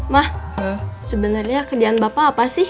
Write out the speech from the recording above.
ma sebenernya kegiatan bapak apa sih